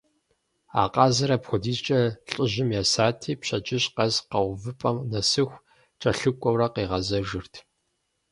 А къазыр апхуэдизӏэ лӏыжьым есати, пщэдджыжь къэс къэувыӏэпӏэм нэсыху кӏэлъыкӏуэурэ къигъэзэжырт.